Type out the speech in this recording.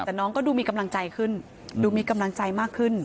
แต่น้องก็ดูมีกำลังใจขึ้นดูมีกำลังใจมากขึ้น